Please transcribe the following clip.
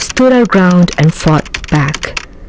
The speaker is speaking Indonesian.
tapi kita berdiri di atas dan berjuang kembali